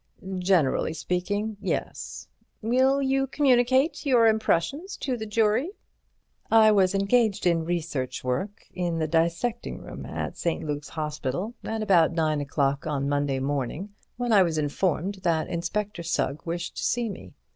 "Generally speaking, yes." "Will you communicate your impressions to the jury?" "I was engaged in research work in the dissecting room at St. Luke's Hospital at about nine o'clock on Monday morning, when I was informed that Inspector Sugg wished to see me.